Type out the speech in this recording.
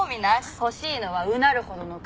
欲しいのはうなるほどの金。